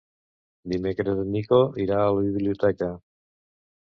Dimecres en Nico irà a la biblioteca.